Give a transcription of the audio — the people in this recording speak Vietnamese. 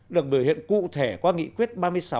được biểu hiện cụ thể qua nghị quyết ba mươi sáu